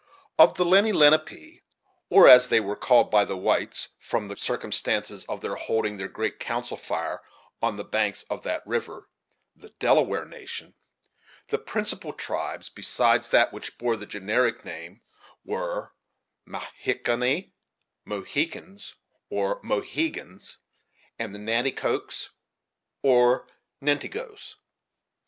Of the Lenni Lenape, or as they were called by the whites, from the circumstances of their holding their great council fire on the banks of that river, the Delaware nation, the principal tribes, besides that which bore the generic name, were the Mahicanni, Mohicans, or Mohegans, and the Nanticokes, or Nentigoes.